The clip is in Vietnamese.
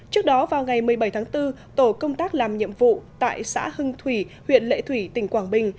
trước đó vào ngày một mươi bảy tháng bốn tổ công tác làm nhiệm vụ tại xã hưng thủy huyện lệ thủy tỉnh quảng bình